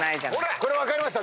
これ分かりました？